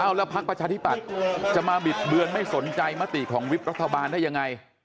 แล้วพักประชาธิปัตย์จะมาบิดเบือนไม่สนใจมติของวิบรัฐบาลได้ยังไง